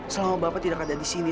selama bapak tidak ada di sini